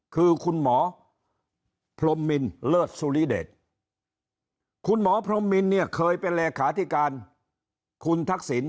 คือคุณหมอพรมมินเลิศสุริเดชคุณหมอพรมมินเนี่ยเคยเป็นเลขาธิการคุณทักษิณ